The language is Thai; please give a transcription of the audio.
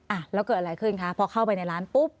อ่ะแล้วเกิดอะไรขึ้นคะพอเข้าไปในร้านปุ๊บ